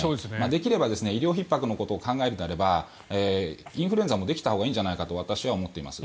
できれば医療ひっ迫のことを考えるのであればインフルエンザもできたほうがいいんじゃないかと私は思っています。